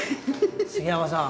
杉山さん。